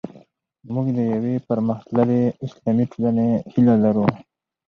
موږ د یوې پرمختللې اسلامي ټولنې هیله لرو.